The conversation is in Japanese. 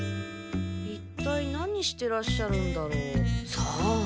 いったい何してらっしゃるんだろう？さあ？